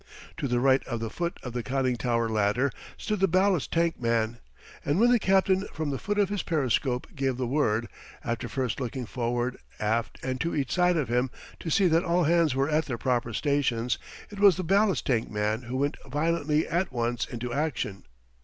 To the right of the foot of the conning tower ladder stood the ballast tank man; and when the captain from the foot of his periscope gave the word after first looking forward, aft, and to each side of him to see that all hands were at their proper stations it was the ballast tank man who went violently at once into action.